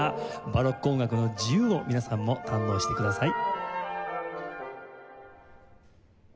バロック音楽の自由を皆さんも堪能してください。